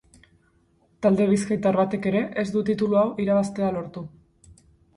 Talde bizkaitar batek ere ez du titulu hau irabaztea lortu.